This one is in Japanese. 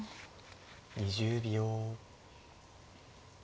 ２０秒。